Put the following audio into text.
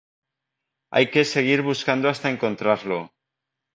Hay que seguir buscando hasta encontrarlo.